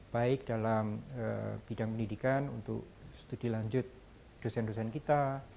baik dalam bidang pendidikan untuk studi lanjut dosen dosen kita